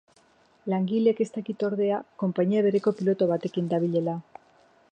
Langileek ez dakite ordea, konpainia bereko piloto batekin dabilela.